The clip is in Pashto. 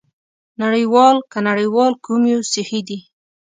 نړۍوال که نړیوال کوم یو صحي دی؟